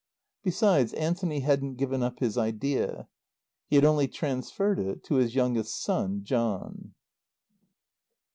Besides, Anthony hadn't given up his idea. He had only transferred it to his youngest son, John.